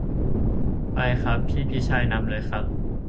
ไปครับ พี่พิชัยนำเลยครับ